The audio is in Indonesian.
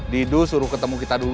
didu suruh ketemu kita dulu